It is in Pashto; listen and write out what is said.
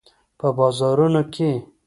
په بازارونو کې